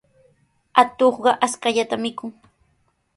Atuqqa ashkallata mikun.